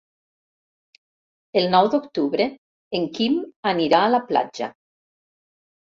El nou d'octubre en Quim anirà a la platja.